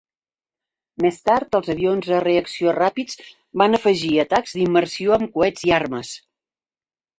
Més tard, els avions a reacció ràpids van afegir atacs d'immersió amb coets i armes.